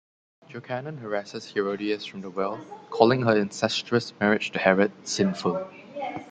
Jochanaan harasses Herodias from the well, calling her incestuous marriage to Herod sinful.